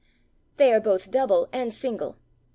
They are both double and single.